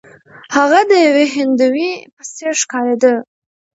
هغه د یوې هندوې په څیر ښکاریده.